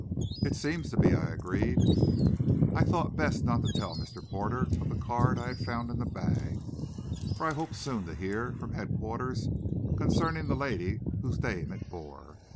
"It seems to be," I agreed. I thought best not to tell Mr. Porter of the card I had found in the bag, for I hoped soon to hear from headquarters concerning the lady whose name it bore.